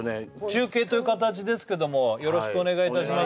中継という形ですけどもよろしくお願いいたします